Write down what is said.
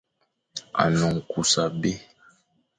A ne nkus abé.